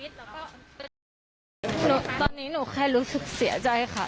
ตอนนี้หนูแค่รู้สึกเสียใจค่ะ